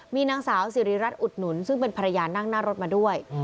มีนางสาวสิริรัตนอุดหนุนซึ่งเป็นภรรยานั่งหน้ารถมาด้วย